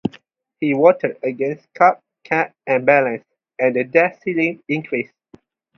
He voted against Cut, Cap and Balance and the debt ceiling increase.